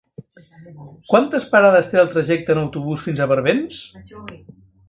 Quantes parades té el trajecte en autobús fins a Barbens?